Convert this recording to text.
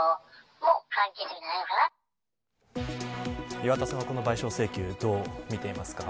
岩田さんはこの賠償請求どう見ていますか。